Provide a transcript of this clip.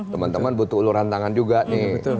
teman teman butuh uluran tangan juga nih